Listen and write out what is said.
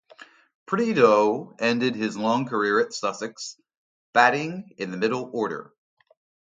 Prideaux ended his long career at Sussex, batting in the middle order.